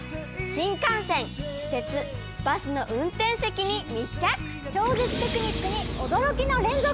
新幹線、私鉄、バスの運転席超絶テクニックに驚きの連続。